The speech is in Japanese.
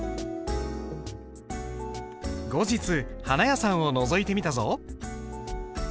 後日花屋さんをのぞいてみたぞ。